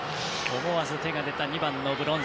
思わず手が出た２番のブロンズ。